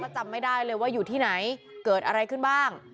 จำไม่ได้เลยว่าอยู่ที่ไหนเกิดอะไรขึ้นบ้าง